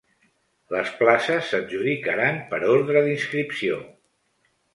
Les places s’adjudicaran per ordre d’inscripció.